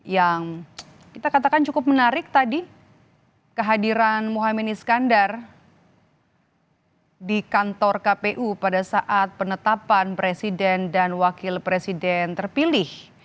yang kita katakan cukup menarik tadi kehadiran muhammad iskandar di kantor kpu pada saat penetapan presiden dan wakil presiden terpilih